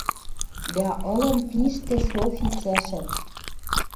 Дӓ ылын пиш тӹ Софи цӓшӓн